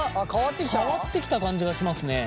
変わってきた感じがしますね。